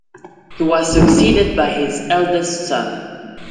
He was succeeded by his eldest son.